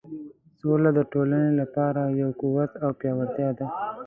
سوله د ټولنې لپاره یو قوت او پیاوړتیا ده.